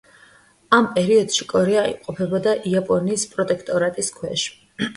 ამ პერიოდში კორეა იმყოფებოდა იაპონიის პროტექტორატის ქვეშ.